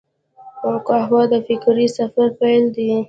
قهوه د فکري سفر پیل دی